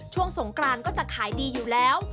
ช่วงสงกรานก็จะขายดีอยู่แล้ว